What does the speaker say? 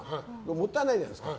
もったいないじゃないですか。